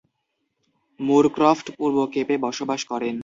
মুরক্রফট পূর্ব কেপে বসবাস করেন।